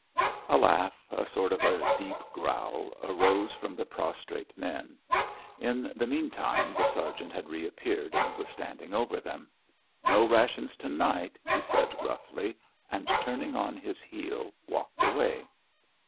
A laugh, a sort of a deep growl, arose from the prostrate men. In the meantime the sergeant had reappeared and was standing over them. "No rations to night," he said gruffly, and turning on his heel, walked away.